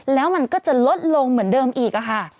แล้วมันก็จะลดลงเหมือนเดิมอีกค่ะ